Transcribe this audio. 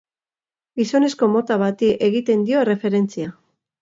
Gizonezko mota bati egiten dio erreferentzia.